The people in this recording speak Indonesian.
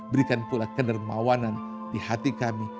berikan pula kedermawanan di hati kami